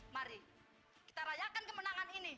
mari kita rayakan kemenangan ini